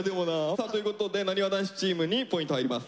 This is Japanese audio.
さあということでなにわ男子チームにポイント入ります。